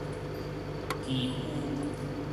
岐阜